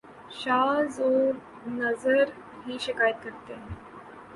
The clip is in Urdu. شاز و ناذر ہی شکایت کرتا ہوں